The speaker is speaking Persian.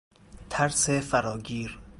ترس فراگیر